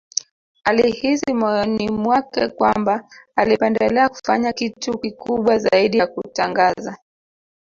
Alihisi moyoni mwake kwamba alipendelea kufanya kitu kikubwa zaidi ya kutangaza